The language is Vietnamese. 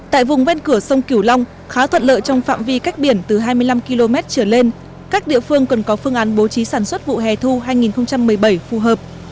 tại vùng ven cửa sông kiểu long khá thuận lợi trong phạm vi cách biển từ hai mươi năm km trở lên các địa phương cần có phương án bố trí sản xuất vụ hè thu hai nghìn một mươi bảy phù hợp